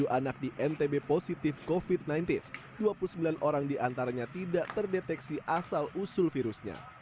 tujuh anak di ntb positif covid sembilan belas dua puluh sembilan orang diantaranya tidak terdeteksi asal usul virusnya